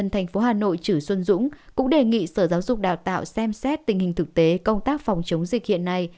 thành phố hà nội chử xuân dũng cũng đề nghị sở giáo dục đào tạo xem xét tình hình thực tế công tác phòng chống dịch hiện nay